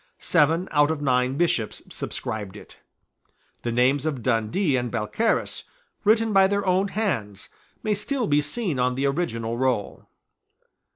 Seven out of nine bishops subscribed it. The names of Dundee and Balcarras, written by their own hands, may still be seen on the original roll.